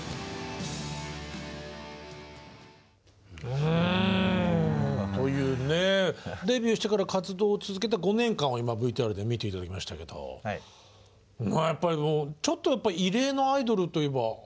うんというねデビューしてから活動を続けた５年間を今ＶＴＲで見ていただきましたけどやっぱり異例のアイドルといえばアイドルですね。